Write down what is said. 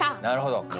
なるほど。